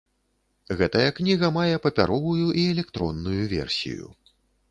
Гэтая кніга мае папяровую і электронную версію.